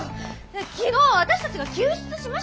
昨日私たちが救出しましたよね？